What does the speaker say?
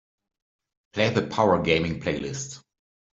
Play the Power Gaming playlist.